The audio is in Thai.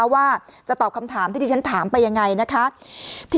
ว่าจะตอบคำถามที่ดีกว่าถามไปยังไง